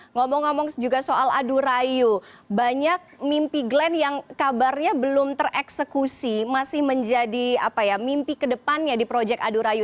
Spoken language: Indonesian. ngomong ngomong juga soal adu rayu banyak mimpi glenn yang kabarnya belum tereksekusi masih menjadi mimpi kedepannya di proyek adurayu